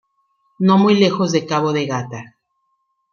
No muy lejos de cabo de Gata.